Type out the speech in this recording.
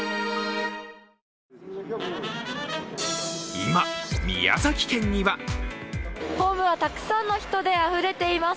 今、宮崎県にはホームはたくさんの人であふれています。